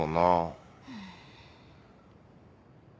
うん。